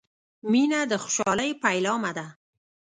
• مینه د خوشحالۍ پیلامه ده.